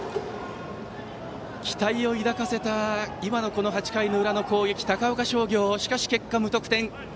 期待を抱かせた８回の裏の攻撃高岡商業、しかし結果は無得点。